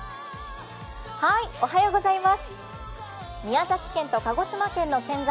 宮崎県と鹿児島県の県境